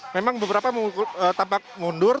memang beberapa tampak mundur